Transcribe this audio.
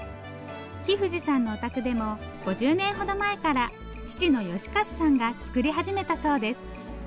木藤さんのお宅でも５０年ほど前から父の義和さんが作り始めたそうです。